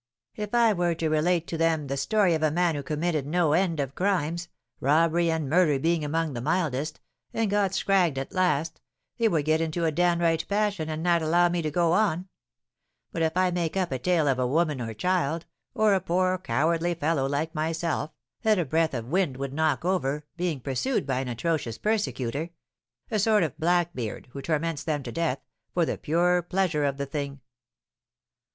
If I were to relate to them the story of a man who committed no end of crimes, robbery and murder being among the mildest, and got scragged at last, they would get into a downright passion and not allow me to go on; but if I make up a tale of a woman or child, or a poor, cowardly fellow like myself, that a breath of wind would knock over, being pursued by an atrocious persecutor, a sort of Blackbeard, who torments them to death, for the pure pleasure of the thing!